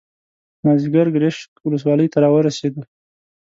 مازیګر ګرشک ولسوالۍ ته راورسېدو.